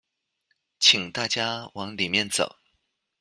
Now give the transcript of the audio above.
請大家往裡面走